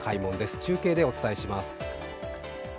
中継でお伝えします。